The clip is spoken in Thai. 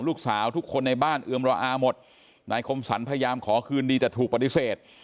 ทุกคนในบ้านเอือมระอาหมดนายคมสรรพยายามขอคืนดีแต่ถูกปฏิเสธ